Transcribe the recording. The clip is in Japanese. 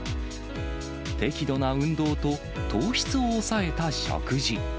適度な運動と糖質を抑えた食事。